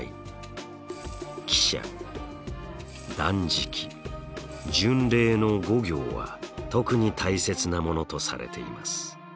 喜捨断食巡礼の五行は特に大切なものとされています。